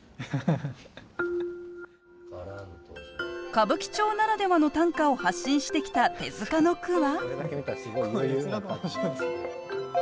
歌舞伎町ならではの短歌を発信してきた手塚の句は。